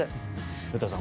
古田さん